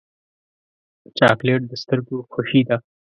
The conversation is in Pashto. چاکلېټ د سترګو خوښي ده.